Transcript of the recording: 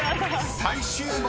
［最終問題］